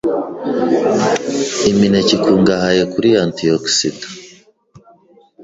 Imineke ikungahaye kuri Antioxidanta